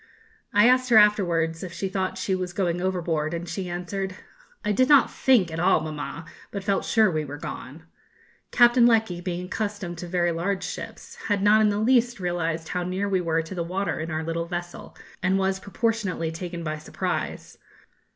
I asked her afterwards if she thought she was going overboard, and she answered, 'I did not think at all, mamma, but felt sure we were gone.' Captain Lecky, being accustomed to very large ships, had not in the least realised how near we were to the water in our little vessel, and was proportionately taken by surprise.